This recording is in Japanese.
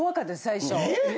最初。